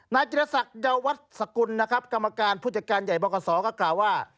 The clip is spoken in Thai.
นายจิตศักดิ์เยาวัดสกุลกรรมการผู้จัดการใหญ่บอกกษอก็กล่าวว่า